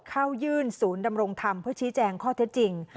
เข้ายื่นศูนย์ดำรงธรรมเพื่อชี้แจงข้อเท็จจริง